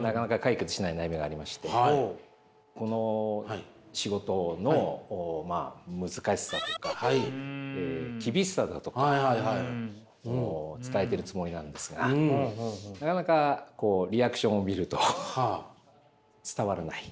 なかなか解決しない悩みがありましてこの仕事の難しさとか厳しさだとかを伝えているつもりなんですがなかなかリアクションを見ると伝わらない。